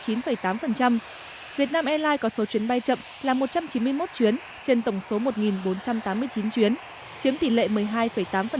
việt nam airlines có số chuyến bay chậm là một trăm chín mươi một chuyến trên tổng số một bốn trăm tám mươi chín chuyến chiếm tỷ lệ một mươi hai tám